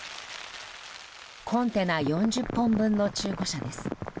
コンテナ４０本分の中古車です。